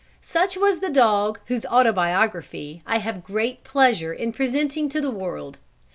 Such was the Dog whose autobiography I have great pleasure in presenting to the world.